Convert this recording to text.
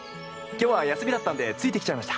今日は休みだったんでついてきちゃいました。